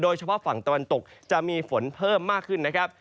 เฉพาะฝั่งตะวันตกจะมีฝนเพิ่มมากขึ้นนะครับ